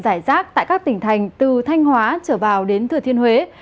giải rác tại các tỉnh thành từ thanh hóa trở vào đến thừa thiên huế